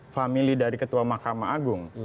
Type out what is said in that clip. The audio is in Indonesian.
famili dari ketua mahkamah agung